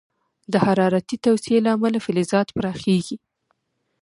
د حرارتي توسعې له امله فلزات پراخېږي.